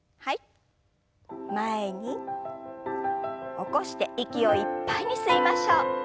起こして息をいっぱいに吸いましょう。